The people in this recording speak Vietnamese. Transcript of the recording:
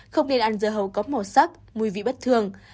không nên ăn dơ hầu có màu sắc mùi vị bất thường